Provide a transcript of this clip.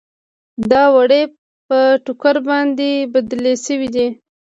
دا وړۍ په ټوکر باندې بدلې شوې دي.